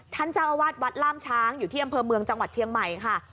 ท่านเจ้าอาวาสวัดล่ามช้างอยู่ที่อำเภอเมืองจังหวัดเชียงใหม่ค่ะ